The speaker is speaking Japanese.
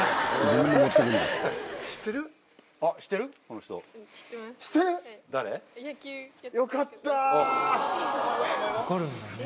分かるんだね。